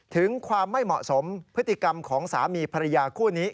ถึงความไม่เหมาะสมพฤติกรรมของสามีภรรยาคู่นี้